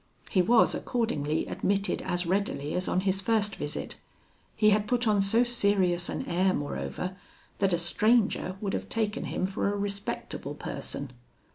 He was accordingly admitted as readily as on his first visit. He had put on so serious an air, moreover, that a stranger would have taken him for a respectable person.